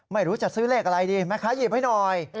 ไม่รู้จะซื้อเลขอะไรดีแม่ค้าหยิบให้หน่อย